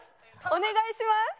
お願いします！